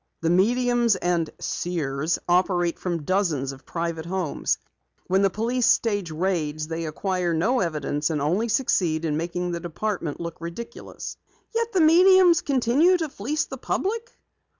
The mediums and seers operate from dozens of private homes. When the police stage raids they acquire no evidence, and only succeed in making the department look ridiculous." "Yet the mediums continue to fleece the public?"